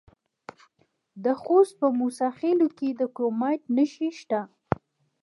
د خوست په موسی خیل کې د کرومایټ نښې شته.